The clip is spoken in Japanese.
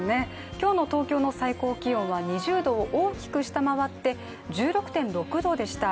今日の東京の最高気温は２０度を大きく下回って、１６．６度でした。